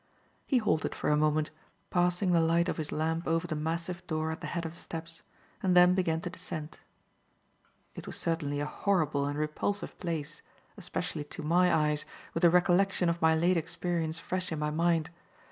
He halted for a moment, passing the light of his lamp over the massive door at the head of the steps, and then began to descend. It was certainly a horrible and repulsive place, especially to my eyes, with the recollection of my late experience fresh in my mind.